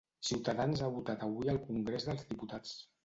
Ciutadans ha votat avui al congrés dels diputats